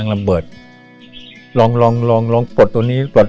มันกลับมาก่อนที่จะรู้ว่ามันกลับมาก่อนที่จะรู้ว่า